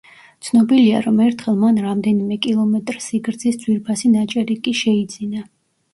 ცნობილია, რომ ერთხელ მან რამდენიმე კილომეტრ სიგრძის ძვირფასი ნაჭერი კი შეიძინა.